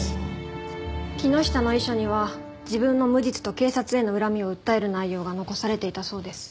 木下の遺書には自分の無実と警察への恨みを訴える内容が残されていたそうです。